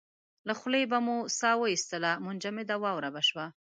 له خولې به مو ساه واېستله منجمده واوره به شوه.